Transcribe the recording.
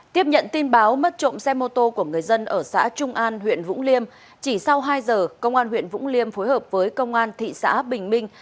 tiếp nhận tin báo mất trộm xe mô tô của người dân ở xã trung an huyện vũng liêm chỉ sau hai giờ công an huyện vũng liêm phối hợp với công an thị xã bình minh